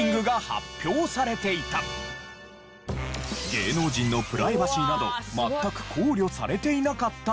芸能人のプライバシーなど全く考慮されていなかった時代。